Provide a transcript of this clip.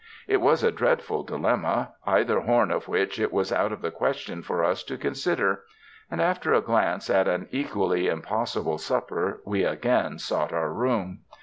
It was a dreadful dilemma, either horn of which it was out of the question for us to consider; and after a glance at an equally impossible supper, we again sought our room.